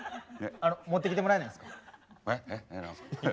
あの持ってきてもらえないんですか。